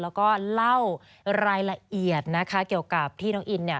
แล้วก็เล่ารายละเอียดนะคะเกี่ยวกับที่น้องอินเนี่ย